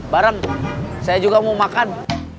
barang saya juga mau makan